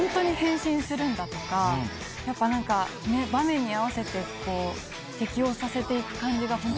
やっぱ何か場面に合わせて適応させて行く感じが。